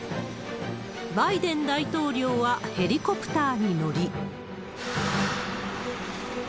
バイデン大統領はヘリコプターに乗り。